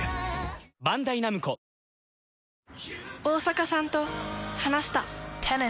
大坂さんと話した。